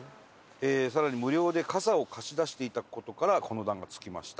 更に無料で傘を貸し出していた事からこの名が付きました。